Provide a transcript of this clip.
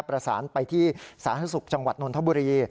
ประสานไปที่สาธารณสุขจังหวัดนนทบุรี